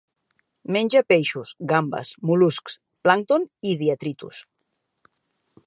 Menja peixos, gambes, mol·luscs, plàncton i detritus.